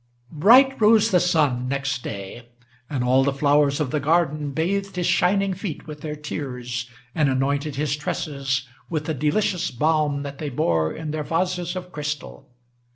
Bright rose the sun next day; and all the flowers of the garden Bathed his shining feet with their tears, and anointed his tresses With the delicious balm that they bore in their vases of crystal.